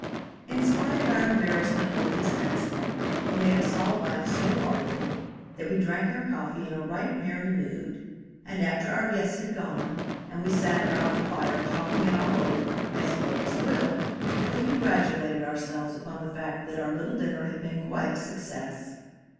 In spite of our embarrassment over this accident, it made us all laugh so heartily that we drank our coffee in a right merry mood, and after our guests had gone, and we sat about the fire talking it all over, as girls will, we congratulated ourselves upon the fact that our little dinner had been quite a success.